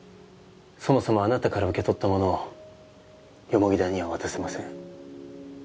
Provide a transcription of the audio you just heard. そもそもあなたから受け取ったものを田には渡せません。